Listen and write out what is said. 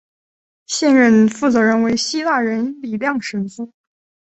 现任负责人为希腊人李亮神父。